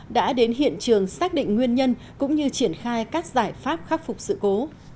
đã đến hiện trường xác định nguyên nhân cũng như triển khai các giải pháp khắc phục sự cố